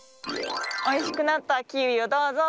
おいしくなったキウイをどうぞ。